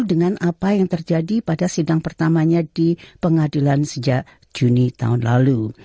dengan apa yang terjadi pada sidang pertamanya di pengadilan sejak juni tahun lalu